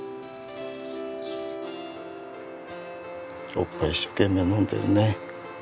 おっぱい一生懸命飲んでるね。